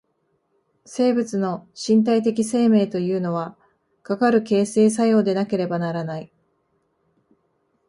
生物の身体的生命というのは、かかる形成作用でなければならない。